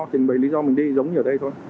trình bày lý do mình đi giống như ở đây thôi